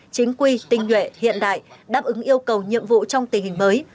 chính quy tinh nhuệ hiện đại đáp ứng yêu cầu nhiệm vụ trong tình hình mới